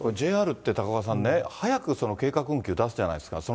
ＪＲって、高岡さんね、早く計画運休出してたじゃないですか。